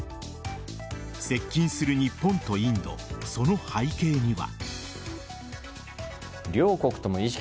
接近する日本とインドその背景には。